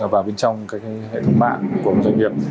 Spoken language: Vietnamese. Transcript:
vào bên trong hệ thống mạng của doanh nghiệp